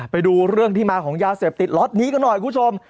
ไปดูเรื่องที่มาของยาเสพติดล็อตนี้กันหน่อยคุณผู้ชม